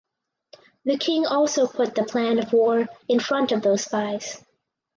The king also put the plan of war in front of those spies.